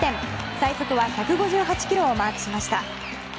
最速は１５８キロをマークしました。